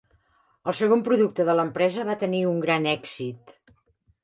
El segon producte de l'empresa va tenir un gran èxit.